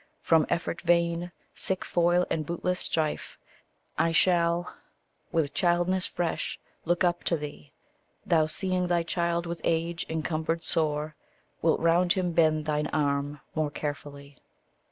From effort vain, sick foil, and bootless strife, I shall, with childness fresh, look up to thee; Thou, seeing thy child with age encumbered sore, Wilt round him bend thine arm more carefully.